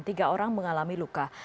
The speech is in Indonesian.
tiga orang mengalami luka